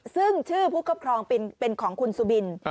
ซึ่งชื่อผู้ครอบครองเป็นของคุณสุบิน